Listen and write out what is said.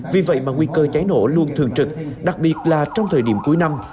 vì vậy mà nguy cơ cháy nổ luôn thường trực đặc biệt là trong thời điểm cuối năm